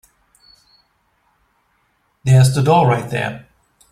There's the door right there.